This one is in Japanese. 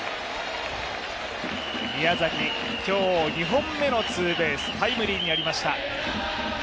宮崎、今日２本目のツーベース、タイムリーになりました。